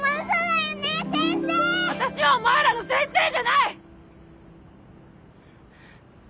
私はお前らの先生じゃない‼